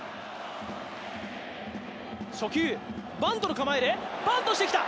初球、バントの構えで、バントしてきた！